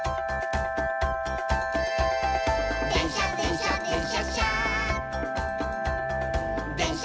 「でんしゃでんしゃでんしゃっしゃ」